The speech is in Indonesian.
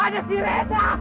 ada si reda